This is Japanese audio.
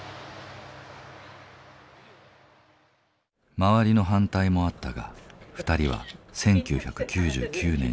周りの反対もあったが２人は１９９９年に結婚。